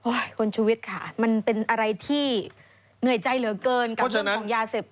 คุณชุวิตค่ะมันเป็นอะไรที่เหนื่อยใจเหลือเกินกับเรื่องของยาเสพ